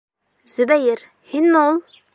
— Зөбәйер, һинме ул?